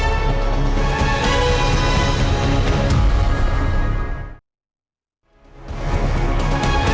kau dulu yang ada di video lalu